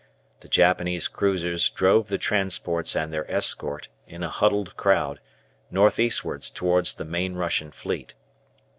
The Japanese cruisers drove the transports and their escort, in a huddled crowd, north eastwards towards the main Russian fleet.